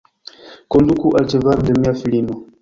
Konduku la ĉevalon de mia filino.